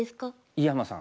井山さん。